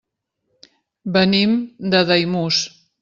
Venim de Daimús.